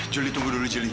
juli tunggu dulu juli